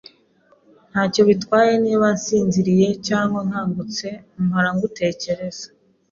Ntacyo bitwaye niba nsinziriye cyangwa nkangutse, mpora ngutekereza.